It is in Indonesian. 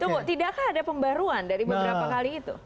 tunggu tidakkah ada pembaruan dari beberapa kali itu